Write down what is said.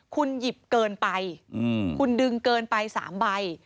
คุณหยิบเกินไปคุณดึงเกินไป๓ใบ